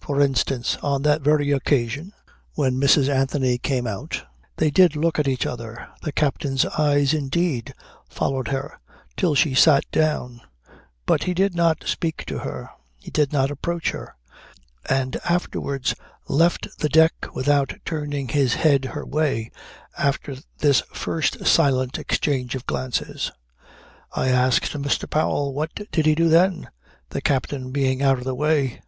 For instance, on that very occasion, when Mrs. Anthony came out they did look at each other; the captain's eyes indeed followed her till she sat down; but he did not speak to her; he did not approach her; and afterwards left the deck without turning his head her way after this first silent exchange of glances. I asked Mr. Powell what did he do then, the captain being out of the way.